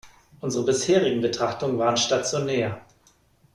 Unsere bisherigen Betrachtungen waren stationär.